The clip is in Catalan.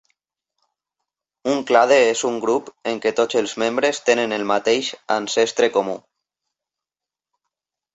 Un clade és un grup en què tots els membres tenen el mateix ancestre comú.